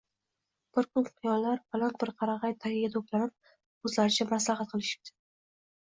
Bir kun quyonlar baland bir qarag’ay tagiga to’planib o’zlaricha maslahat qilishibdi